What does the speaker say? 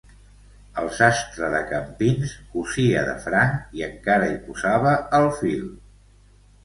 El sastre de Campins, cosia de franc i encara hi posava el fil.